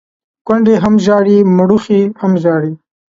کونډي هم ژاړي ، مړوښې هم ژاړي.